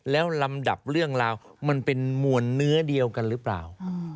แล้วลำดับเรื่องราวมันเป็นมวลเนื้อเดียวกันหรือเปล่า